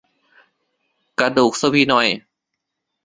กระดูกสฟีนอยด์